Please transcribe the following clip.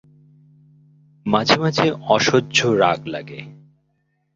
মাঝে মাঝে অসহ্য রাগ লাগে।